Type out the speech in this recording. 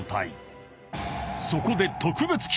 ［そこで］